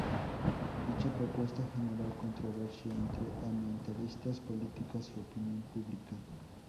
Dicha propuesta generó controversia entre ambientalistas, políticos y opinión pública.